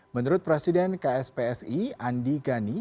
menurut presiden kspsi andi gani